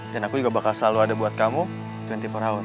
dan aku juga bakal selalu ada buat kamu dua puluh empat hour